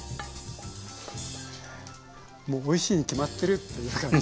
もうおいしいに決まってるっていう感じ！